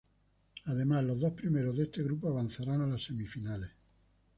Además, los dos primeros de este grupo avanzarán a las semifinales.